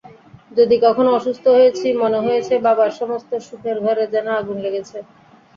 যদি কখনো অসুস্থ হয়েছি, মনে হয়েছে বাবার সমস্ত সুখের ঘরে যেন আগুন লেগেছে।